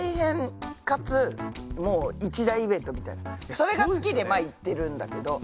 それが好きでまあ行ってるんだけど。